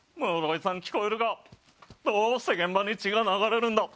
室井さん、聞こえるかどうして現場に血が流れるんだ。